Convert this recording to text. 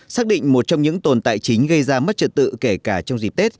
xác định một trong những tồn tại chính gây ra mất trật tự kể cả trong dịp tết